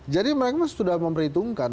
jadi mereka sudah memperhitungkan